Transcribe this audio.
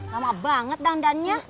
lama banget dandannya